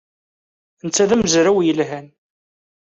Netta d amezraw yelhan.